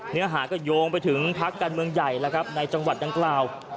เนื้อหาก็โยงไปถึงพักการเมืองใหญ่แล้วครับในจังหวัดดังกล่าว